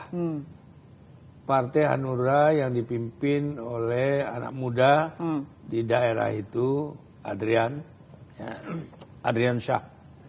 hmm partai hanura yang dipimpin oleh anak muda di daerah itu adrian syah